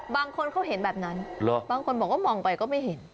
บางคนเขาเห็นแบบนั้นบางคนบอกว่ามองไปก็ไม่เห็น